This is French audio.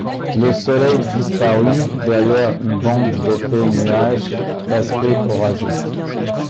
Le soleil disparut derrière une bande d’épais nuages d’aspect orageux.